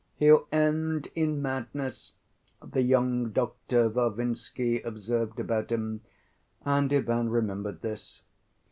"He'll end in madness," the young doctor Varvinsky observed about him, and Ivan remembered this.